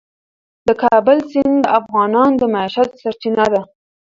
د کابل سیند د افغانانو د معیشت سرچینه ده.